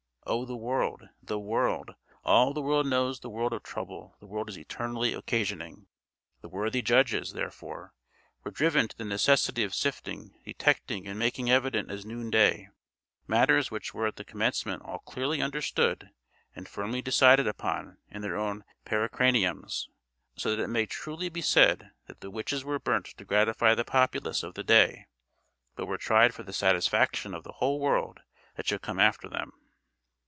Oh, the world! the world! all the world knows the world of trouble the world is eternally occasioning! The worthy judges, therefore, were driven to the necessity of sifting, detecting and making evident as noonday, matters which were at the commencement all clearly understood and firmly decided upon in their own pericraniums; so that it may truly be said that the witches were burnt to gratify the populace of the day, but were tried for the satisfaction of the whole world that should come after them.